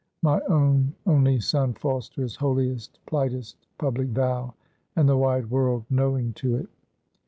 My own only son, false to his holiest plighted public vow and the wide world knowing to it!